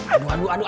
aduh aduh aduh